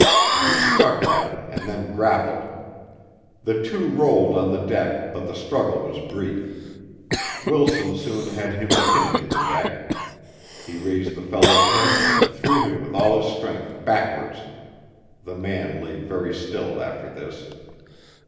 He struck at him and then grappled. The two rolled on the deck, but the struggle was brief. Wilson soon had him pinned to the deck. He raised the fellow's head and threw him with all his strength backwards. The man lay very still after this.